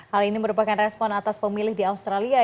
hal ini merupakan respon atas pemilih di australia